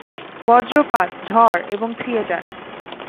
বজ্রপাত, ঝড় এবং থিয়েটার।